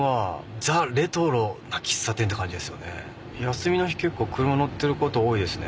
休みの日結構車乗ってること多いですね。